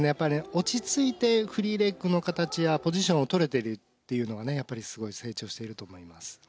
落ち着いてフリーレッグの形やポジションをとれているというのがすごい成長していると思います。